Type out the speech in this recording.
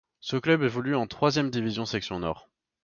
Ce club évolue en troisième division section nord.